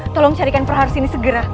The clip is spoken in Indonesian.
tolong carikan prah harus ini segera